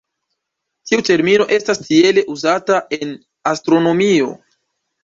Tiu termino estas tiele uzata en astronomio.